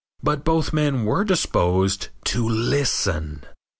But both men were disposed to listen.